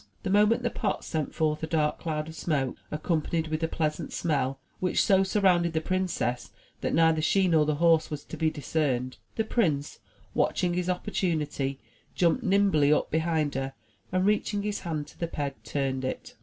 The moment the pots sent forth a dark cloud of smoke accompanied with a pleasant smell, — ^which so sur rounded the princess that neither she nor the horse was to be discerned, — the prince, watching his opportunity, jumped nimbly up behind her, and reaching his hand to the peg, turned it.